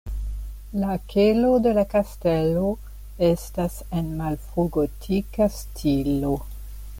La kelo de la kastelo estas en malfrugotika stilo.